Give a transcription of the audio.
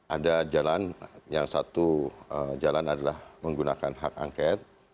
ada jalan yang satu jalan adalah menggunakan hak angket